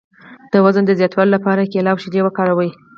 د وزن د زیاتولو لپاره کیله او شیدې وکاروئ